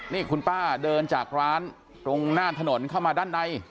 นี่คุณป้าเดินจากร้านตรงหน้าถนนเข้ามาด้านใน